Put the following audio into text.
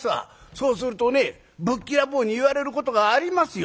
そうするとねぶっきらぼうに言われることがありますよ。